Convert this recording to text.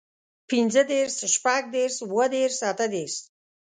پينځهدېرش، شپږدېرش، اووهدېرش، اتهدېرش